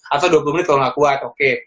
atau dua puluh menit kalau nggak kuat oke